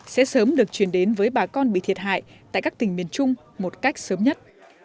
sẽ sớm được chuyển đến với bà con bị thiệt hại tại các tỉnh miền trung một cách sớm nhất